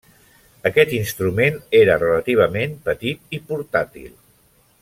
Aquest instrument era relativament petit i portàtil.